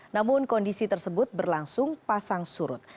namun kondisi tersebut berlangsung pasang surut